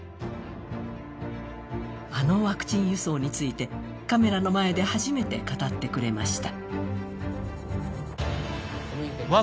あのワクチン輸送についてカメラの前で初めて語ってくれました。